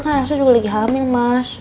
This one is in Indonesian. karena elsa juga lagi hamil mas